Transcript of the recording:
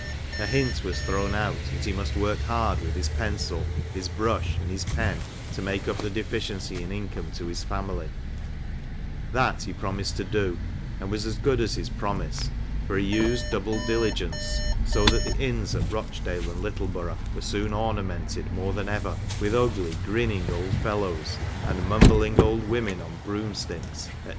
A hint was thrown out that he must work hard with his pencil, his brush, and his pen, to make up the deficiency in income to his family ; that he promised to do, and was as good as his promise, for he used double diligence, so that the inns at Roch dale and Littleborongh were soon ornamented, more than ever, with ugly grinning old fellows, and mambling old women on broomsticks, &c.